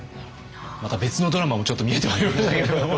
また別のドラマもちょっと見えてまいりましたけれども。